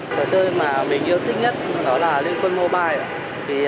trò chơi mà mình yêu thích nhất đó là lincoln mobile